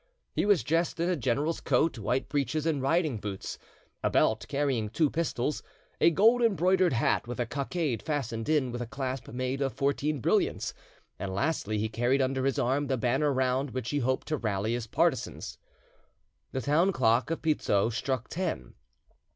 He was dressed in a general's coat, white breeches and riding boots, a belt carrying two pistols, a gold embroidered hat with a cockade fastened in with a clasp made of fourteen brilliants, and lastly he carried under his arm the banner round which he hoped to rally his partisans. The town clock of Pizzo struck ten.